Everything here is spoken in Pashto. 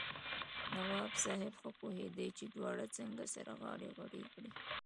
نواب صاحب ښه پوهېږي چې دواړه څنګه سره غاړه غړۍ کړي.